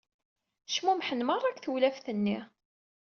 Cmummḥen merra deg tewlaft-nni.